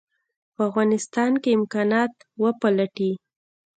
په افغانستان کې امکانات وپلټي.